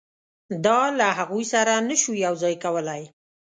دا له هغوی سره نه شو یو ځای کولای.